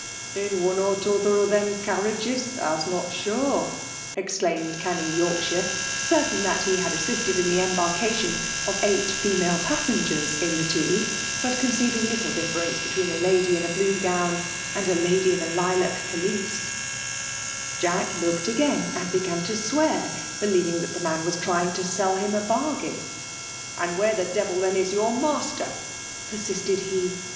'* In oan or t^oother them carriages, Ize naw shmre/' exelaimed canny Yorkshire, certam that he had assisted in the embarkatioa of eight female passengers in the two ; but eon eeiving little difference between a lady in a blue gown and a lady in a lilac pelissa Jack looked again, and began to swear, be* Keying that the man was trying " to sell him a bargain.'* ''And where the devil then is your master?" persisted he.